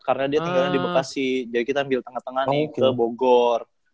karena dia tinggal di bekasi jadi kita ambil tengah tengah nih ke bogor